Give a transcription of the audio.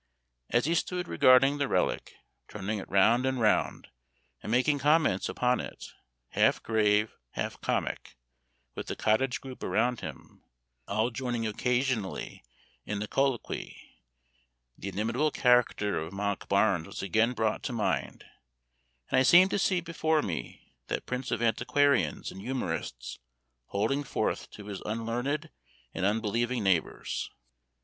As he stood regarding the relic, turning it round and round, and making comments upon it, half grave, half comic, with the cottage group around him, all joining occasionally in the colloquy, the inimitable character of Monkbarns was again brought to mind, and I seemed to see before me that prince of antiquarians and humorists holding forth to his unlearned and unbelieving neighbors.